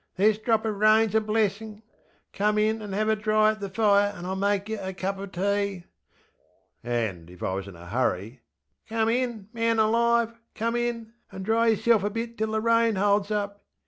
This drop of rainŌĆÖs a blessinŌĆÖ! Come in and have a dry at the fire and IŌĆÖll make yer a cup of tea. ŌĆÖ And, if I was in a hurry, ŌĆśCome in, man alive! Come in! and dry yerself a bit till the rain holds up.